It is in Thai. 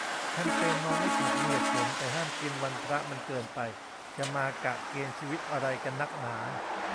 แคมเปญ เมาไม่ขับ มีเหตุผล แต่ห้ามกินวันพระมันเกินไป จะมากะเกณฑ์ชีวิตอะไรกันนักหนา